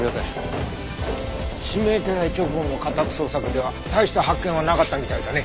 指名手配直後の家宅捜索では大した発見はなかったみたいだね。